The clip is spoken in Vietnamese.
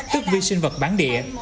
tức vi sinh vật bán địa